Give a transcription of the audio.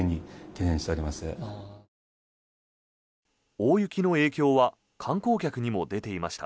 大雪の影響は観光客にも出ていました。